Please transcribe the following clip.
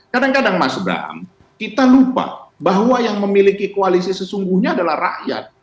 kadang kadang mas bram kita lupa bahwa yang memiliki koalisi sesungguhnya adalah rakyat